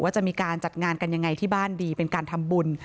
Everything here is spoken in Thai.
จะมีการจัดงานกันยังไงที่บ้านดีเป็นการทำบุญ